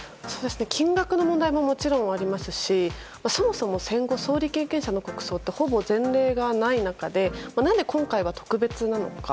金額の問題ももちろんありますしそもそも、戦後総理経験者の国葬ってほぼ前例がない中で何で今回は特別なのか。